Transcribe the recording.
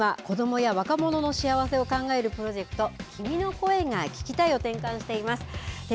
ＮＨＫでは今、子どもや若者の幸せを考えるプロジェクト、君の声が聴きたいを展開しています。